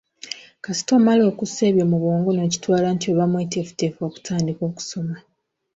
Kasita omala okussa ebyo mu bwongo nkitwala nti oba mweteefuteefu okutandika okusoma.